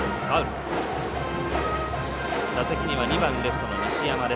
打席には２番レフトの西山。